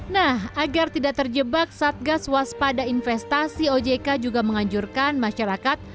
nah agar tidak terjebak satgas waspada investasi ojk juga menganjurkan masyarakat